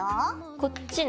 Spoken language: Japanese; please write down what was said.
こっちね。